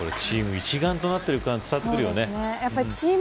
チーム一丸となっている感じが伝わってくるよね。